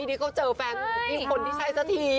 ที่เขาเจอแฟนคนที่ใช่สักที